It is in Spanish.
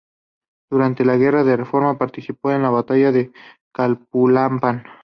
Durante la Guerra de Reforma participó en la batalla de Calpulalpan.